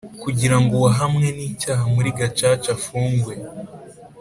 kugira ngo uwahamwe n icyaha muri Gacaca afungwe